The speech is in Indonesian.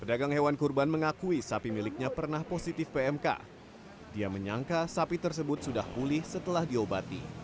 pedagang hewan kurban mengakui sapi miliknya pernah positif pmk dia menyangka sapi tersebut sudah pulih setelah diobati